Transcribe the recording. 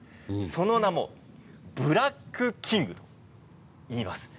その名もブラックキングといいます。